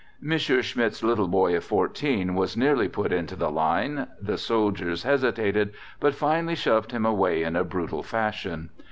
Mons. Schmidt's little boy of 14 was nearly put into the line the soldiers hesitated, but finally shoved him away in a brutal fashion.